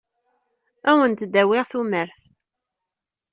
Ad awent-d-awiɣ tumert.